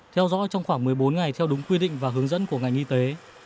theo dõi trong khoảng một mươi bốn ngày theo đúng quy định và hướng dẫn của ngành y tế